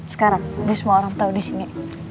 sekarang udah semua orang tau disini